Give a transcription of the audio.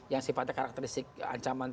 yang sifatnya karakteristik ancaman